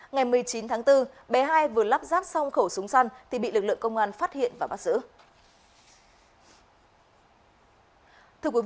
ngày một mươi chín tháng bốn bé hai vừa lắp ráp xong khẩu súng săn thì bị lực lượng công an phát hiện và bắt giữ